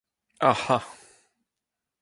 Ac'ha !